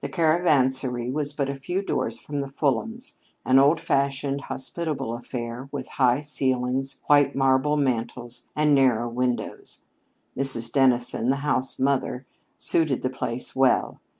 The Caravansary was but a few doors from the Fulhams'; an old fashioned, hospitable affair, with high ceilings, white marble mantels, and narrow windows. Mrs. Dennison, the house mother, suited the place well.